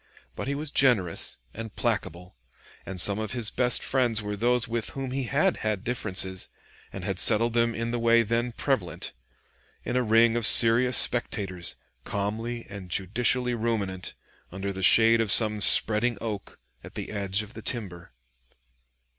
But he was generous and placable, and some of his best friends were those with whom he had had differences, and had settled them in the way then prevalent, in a ring of serious spectators, calmly and judicially ruminant, under the shade of some spreading oak, at the edge of the timber.